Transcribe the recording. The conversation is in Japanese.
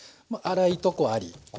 粗いとこあり